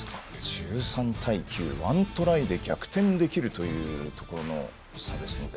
１３対９、１トライで逆転できるというところの差ですので。